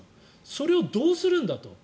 それをどうするんだと。